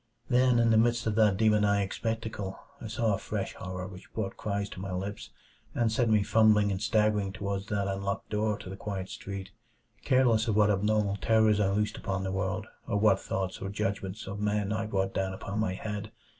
Then, in the midst of that demoniac spectacle, I saw a fresh horror which brought cries to my lips and sent me fumbling and staggering toward that unlocked door to the quiet street, careless of what abnormal terrors I loosed upon the world, or what thoughts or judgments of men I brought down upon my head.